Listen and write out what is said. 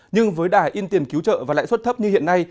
nhưng với đải in tiền cứu trợ và lãi suất thấp như hiện nay